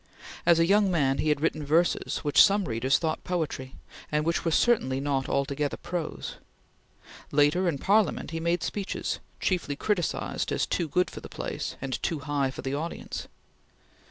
As a young man he had written verses, which some readers thought poetry, and which were certainly not altogether prose. Later, in Parliament he made speeches, chiefly criticised as too good for the place and too high for the audience.